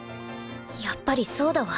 やっぱりそうだわ。